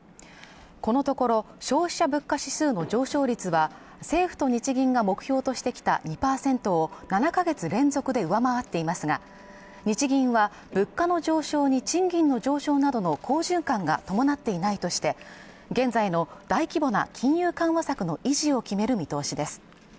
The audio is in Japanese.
このところ消費者物価指数の上昇率は政府と日銀が目標としてきた２％を７か月連続で上回っていますが日銀は物価の上昇に賃金の上昇などの好循環が伴っていないとして現在の大規模な金融緩和策の維持を決める見通しです